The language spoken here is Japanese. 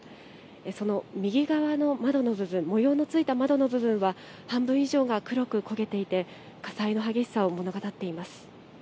その右側の窓の部分、模様のついた窓の部分は、半分以上が黒く焦げていて、火災の激しさを物語っています。